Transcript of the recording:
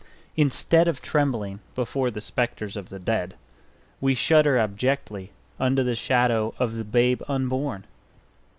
Instead of trembling before the specters of the dead, we shudder abjectly under the shadow of the babe unborn.